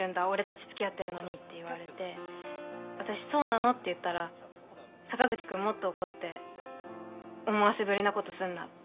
俺たちつきあってるのに」って言われて私「そうなの？」って言ったら坂口くんもっと怒って「思わせぶりなことすんな」